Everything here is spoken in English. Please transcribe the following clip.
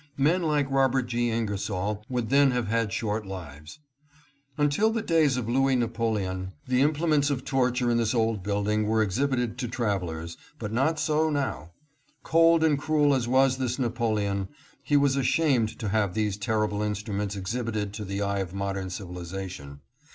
Men like Robert G. Ingersoll would then have had short lives. Until the days of Louis Napoleon, the implements of torture in this old building were exhibited to travelers, but not so now. Cold and cruel as was this Napoleon, he was ashamed to have these terrible instruments exhibited to the eye of modern civilization.